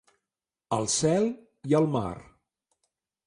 El cel i el mar.